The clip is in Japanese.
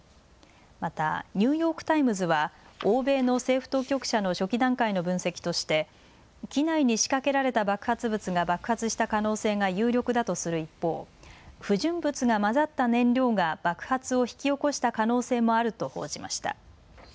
また、ニューヨーク・タイムズは欧米の政府当局者の初期段階の分析として機内に仕掛けられた爆発物が爆発した可能性が有力だとする一方不純物が混ざった燃料が爆発を引き起こした可能性もあると報じました。